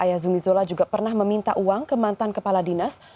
ayah zumi zola juga pernah meminta uang ke mantan kepala dinas